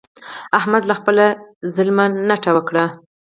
احمد له خپله ظلمه نټه وکړه.